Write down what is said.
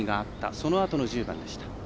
そのあとの１０番でした。